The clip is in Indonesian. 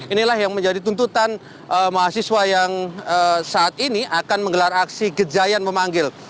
inilah yang menjadi tuntutan mahasiswa yang saat ini akan menggelar aksi gejayan memanggil